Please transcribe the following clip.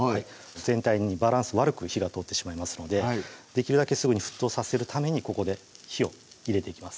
全体にバランス悪く火が通ってしまいますのでできるだけすぐに沸騰させるためにここで火を入れていきます